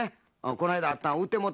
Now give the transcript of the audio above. この間あったん売ってもうた？